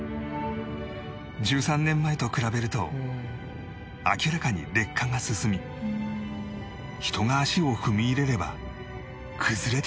１３年前と比べると明らかに劣化が進み人が足を踏み入れれば崩れてしまうという